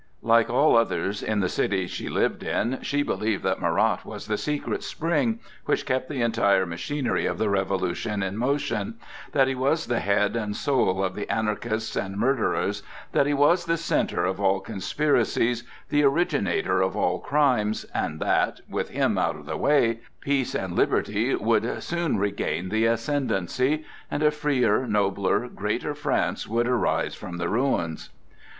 Like all others in the city she lived in, she believed that Marat was the secret spring that kept the entire machinery of the Revolution in motion, that he was the head and soul of the anarchists and murderers, that he was the centre of all conspiracies, the originator of all crimes, and that, with him out of the way, peace and liberty would soon regain the ascendency, and a freer, nobler, greater France would arise from the ruins.